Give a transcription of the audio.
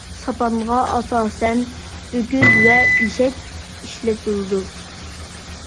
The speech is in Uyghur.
ساپانغا ئاساسەن ئۆكۈز ۋە ئېشەك ئىشلىتىلىدۇ.